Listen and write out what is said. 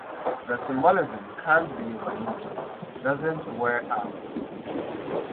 the symbolism can't be overused, doesn't wear out